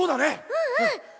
うんうん！